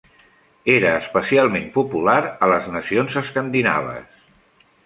Era especialment popular a les nacions escandinaves.